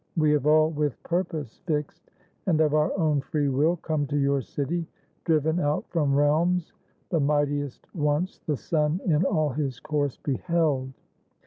We have all. With purpose fixed, and of our own free will, Come to your city, driven out from realms The mightiest once the sun in all his course Beheld.